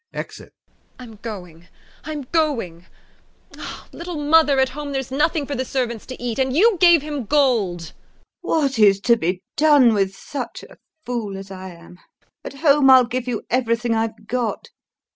[Exit. Laughter.] VARYA. [Frightened] I'm going, I'm going.... Oh, little mother, at home there's nothing for the servants to eat, and you gave him gold. LUBOV. What is to be done with such a fool as I am! At home I'll give you everything I've got.